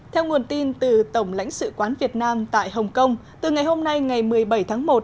theo nguồn tin từ tổng lãnh sự quán việt nam tại hồng kông từ ngày hôm nay ngày một mươi bảy tháng một